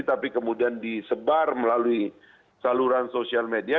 tapi kemudian disebar melalui saluran sosial media